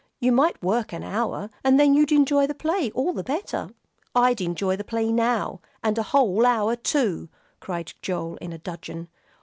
You might work an hour, and then you'd enjoy the play all the better." "I'd enjoy the play now. And a whole hour, too!" cried Joel, in a dudgeon.